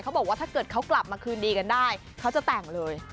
บอกว่าถ้าเกิดเขากลับมาคืนดีกันได้เขาจะแต่งเลย